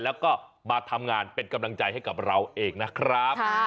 แล้วก็มาทำงานเป็นกำลังใจให้กับเราเองนะครับ